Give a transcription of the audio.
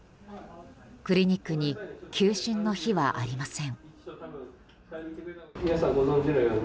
クリニックに休診の日はありません。